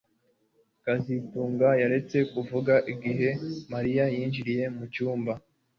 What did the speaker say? kazitunga yaretse kuvuga igihe Mariya yinjiraga mucyumba